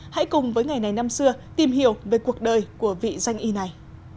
hãy cùng với ngày này năm xưa tìm hiểu về cuộc đời của vị danh y này